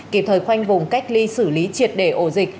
kịp thời khoanh vùng cách ly xử lý triệt để ổ dịch